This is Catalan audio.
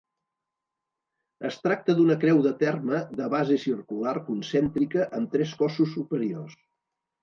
Es tracta d'una creu de terme de base circular concèntrica amb tres cossos superiors.